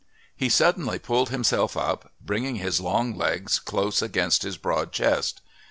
He suddenly pulled himself up, bringing his long legs close against his broad chest.